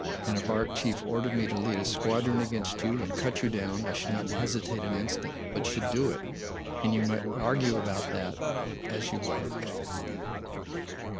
And if Arakchéev ordered me to lead a squadron against you and cut you down, I should not hesitate an instant, but should do it.' And you may argue about that as you like!"